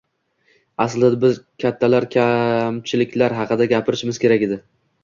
– Aslida biz kattalar kamchiliklar haqida gapirishimiz kerak edi.